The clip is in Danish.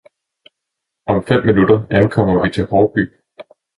Om fem minutter ankommer vi til Haarby